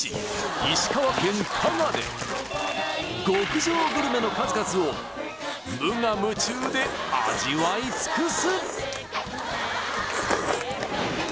石川県加賀で極上グルメの数々を無我夢中で味わい尽くす